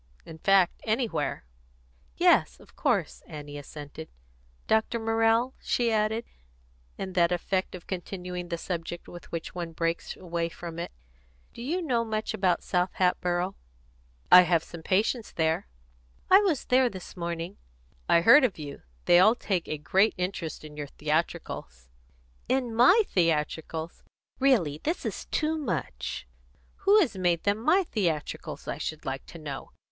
In fact, anywhere." "Yes, of course," Annie assented. "Dr. Morrell," she added, in that effect of continuing the subject with which one breaks away from it, "do you know much about South Hatboro'?" "I have some patients there." "I was there this morning " "I heard of you. They all take a great interest in your theatricals." "In my theatricals? Really this is too much! Who has made them my theatricals, I should like to know?